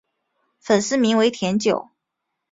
粉丝名为甜酒。